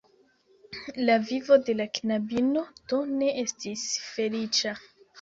La vivo de la knabino, do, ne estis feliĉa.